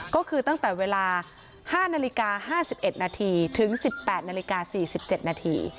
ก็คือตั้งแต่เวลา๕นาฬิกา๕๑นาทีถึง๑๘นาฬิกา๔๗นาที